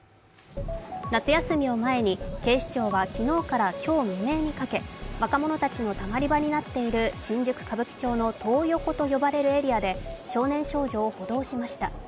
夏休みを前に警視庁は昨日から今日未明にかけ若者たちのたまり場となっている新宿・歌舞伎町のトー横と呼ばれる地域で少年少女を補導しました。